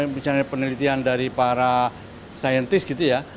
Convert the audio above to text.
misalnya penelitian dari para saintis gitu ya